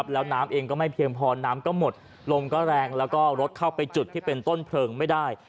แล้วน้ำเองก็ไม่เพียงพอน้ำก็หมดลมก็แรงแล้วก็รถเข้าไปจุดที่เป็นต้นเพลิงไม่ได้